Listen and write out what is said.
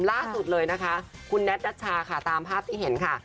ล่าสุดเลยนะคะคุณแท็ตนัชชาค่ะตามภาพที่เห็นค่ะ